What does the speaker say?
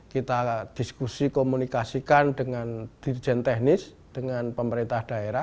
kita diskusi komunikasikan dengan dirjen teknis dengan pemerintah daerah